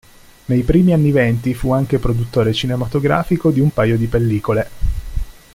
Nei primi anni venti, fu anche produttore cinematografico di un paio di pellicole.